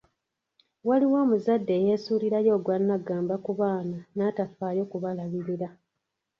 Waliwo omuzadde eyeesuulirayo ogwa naggamba ku baana natafaayo kubalabiririra.